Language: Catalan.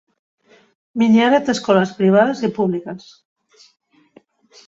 Miniara té escoles privades i públiques.